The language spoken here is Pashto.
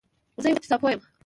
زه یو اقتصاد پوه یم